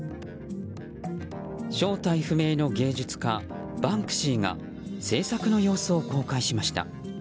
正体不明の芸術家バンクシーが制作の様子を公開しました。